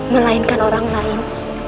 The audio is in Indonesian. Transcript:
melainkan orang lain